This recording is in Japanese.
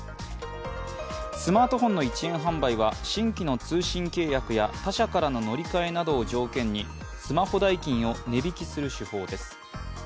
スマートフォンの１円販売は新規の通信契約や他社からの乗り換えなどを条件にスマホ代金を値引きする手法です。